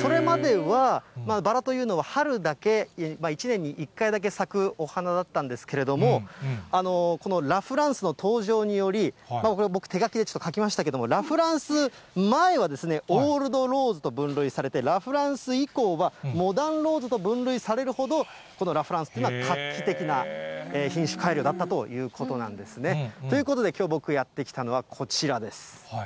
それまでは、バラというのは春だけ、１年に１回だけ咲くお花だったんですけれども、このラ・フランスの登場により、これは僕、手書きでちょっと書きましたけれども、ラ・フランス前は、オールドローズと分類されて、ラ・フランス以降はモダンローズと分類されるほど、このラ・フランスというのは画期的な品種改良だったということなんですね。ということで、きょう僕やって来たのは、こちらです。